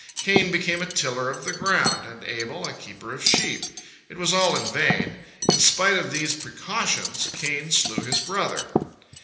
Cain became a tiller of the ground, and Abel a keeper of sheep. It was all in vain. In spite of these precautions, Cain slew his brother.